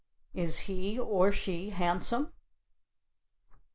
Is he or she handsome?